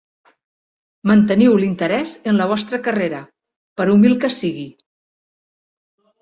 Manteniu l'interès en la vostra carrera, per humil que sigui.